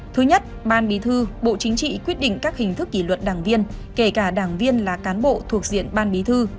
thứ nhất ban bí thư bộ chính trị quyết định các hình thức kỷ luật đảng viên kể cả đảng viên là cán bộ thuộc diện ban bí thư